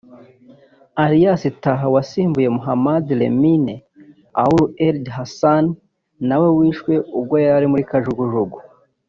Alias Talha wasimbuye Mohamed Lemine Ould El-Hassen nawe wishwe ubwo yari muri kajugujugu